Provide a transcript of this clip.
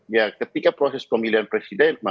ya ketika proses pemilihan presiden